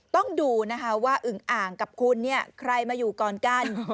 ต้องดูว่าอึงอ่างกับคุณใครมาอยู่ก่อนกัน